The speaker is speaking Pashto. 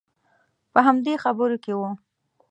په همدې خبرو کې وو.